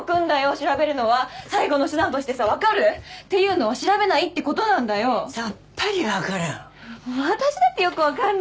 調べるのは最後の手段としてさわかる？っていうのは調べないってことなんだよさっぱりわからん私だってよくわかんないよ